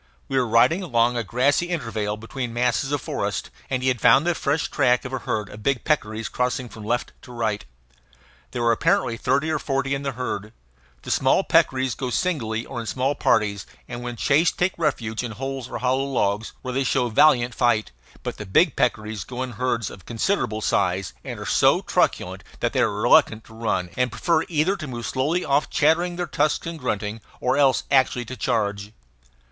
We were riding along a grassy intervale between masses of forest, and he had found the fresh track of a herd of big peccaries crossing from left to right. There were apparently thirty or forty in the herd. The small peccaries go singly or in small parties, and when chased take refuge in holes or hollow logs, where they show valiant fight; but the big peccaries go in herds of considerable size, and are so truculent that they are reluctant to run, and prefer either to move slowly off chattering their tusks and grunting, or else actually to charge.